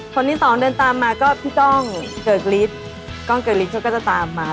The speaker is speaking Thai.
คนที่สองเดินตามมาก็พี่ก้องเกิกฤทธิ์กล้องเกิกฤทธิเขาก็จะตามมา